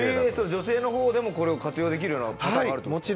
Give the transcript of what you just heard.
女性の方でもこれを活用できるようなパターンがあるって事ですか？